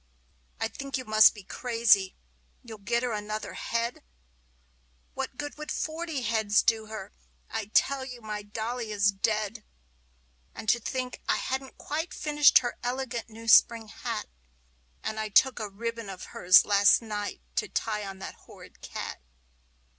I think you must be crazy you'll get her another head! What good would forty heads do her? I tell you my dolly is dead! And to think I hadn't quite finished her elegant new spring hat! And I took a sweet ribbon of hers last night to tie on that horrid cat!